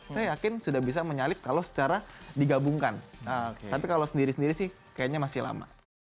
saya yakin sudah bisa menyalip kalau secara digabungkan tapi kalau sendiri sendiri sih kayaknya masih lama